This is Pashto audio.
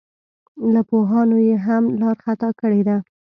له پوهانو یې هم لار خطا کړې ده.